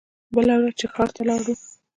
بله ورځ چې ښار ته لاړو.